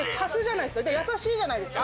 優しいじゃないですか。